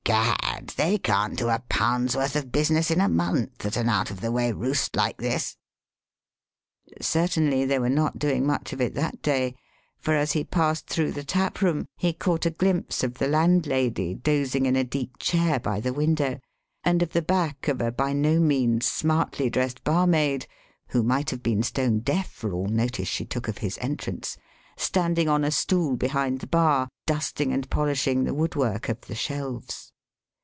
Gad! they can't do a pound's worth of business in a month at an out of the way roost like this!" Certainly, they were not doing much of it that day; for, as he passed through the taproom, he caught a glimpse of the landlady dozing in a deep chair by the window, and of the back of a by no means smartly dressed barmaid who might have been stone deaf for all notice she took of his entrance standing on a stool behind the bar dusting and polishing the woodwork of the shelves.